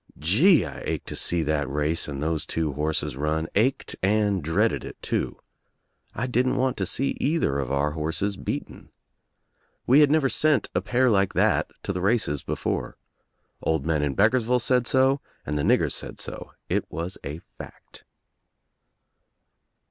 Gee I I ached to see that race and those two horses run, ached and dreaded it too. I didn't want to sec cither of our horses beaten. We had never sent a pair like that to the races before. Old men in Beck ersville said so and the niggers said so. It was a fact.